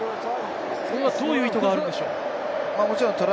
これはどういう意図があるのでしょう？